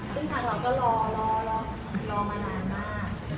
ซึ่งทางเราก็รอมานานมาก